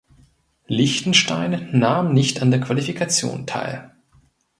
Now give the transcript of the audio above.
Liechtenstein nahm nicht an der Qualifikation teil.